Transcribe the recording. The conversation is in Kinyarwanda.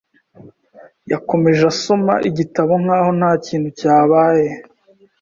Yakomeje asoma igitabo nkaho ntakintu cyabaye.